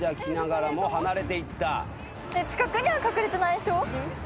・近くには隠れてないでしょ？